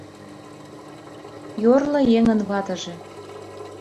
ЙОРЛО ЕҤЫН ВАТЫЖЕ